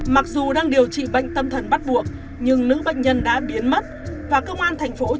mặc dù đang điều trị bệnh tâm thần bắt buộc nhưng nữ bệnh nhân đã biến mất và công an tp hcm đang tổ chức truy tìm